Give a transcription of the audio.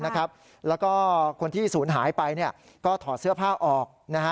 แล้วก็คนที่ศูนย์หายไปก็ถอดเสื้อผ้าออก